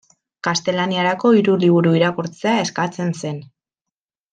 Gaztelaniarako hiru liburu irakurtzea eskatzen zen.